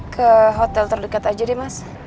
ke hotel terdekat aja deh mas